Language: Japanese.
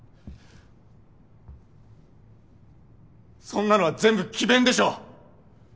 そんなのは全部詭弁でしょう。